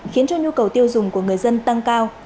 khiến cho nhu cầu tiêu dùng của người dân tăng cao